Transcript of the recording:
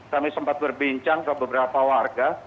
kami sempat berbincang ke beberapa warga